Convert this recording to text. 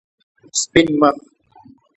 سپین مخ